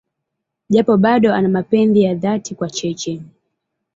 Japo bado ana mapenzi ya dhati kwa Cheche.